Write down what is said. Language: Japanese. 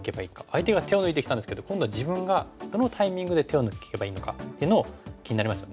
相手が手を抜いてきたんですけど今度は自分がどのタイミングで手を抜けばいいのかっていうのを気になりますよね。